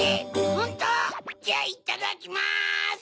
ホント⁉じゃあいただきます！